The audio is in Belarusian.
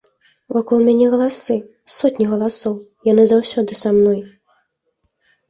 Вакол мяне галасы, сотні галасоў, яны заўсёды са мной.